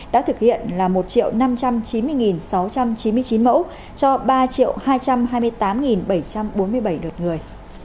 đã thực hiện là một năm trăm chín mươi sáu trăm chín mươi chín mẫu cho ba hai trăm hai mươi tám bảy trăm bốn mươi bảy lượt người